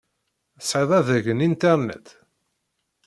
Tesɛiḍ adeg n Internet?